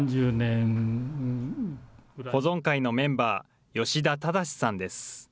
保存会のメンバー、吉田正さんです。